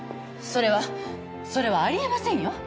それはそれはありえませんよ？